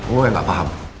gue gak paham